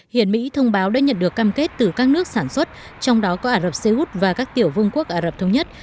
hiện mỹ thông báo đã nhận được cam kết từ các nước sản xuất trong đó có ả rập xê út và các tiểu vương quốc ả rập thống nhất